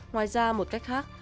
ngoài ra một cách khác